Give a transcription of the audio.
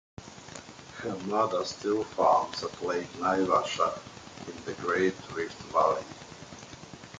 Her mother still farms at Lake Naivasha in the Great Rift Valley.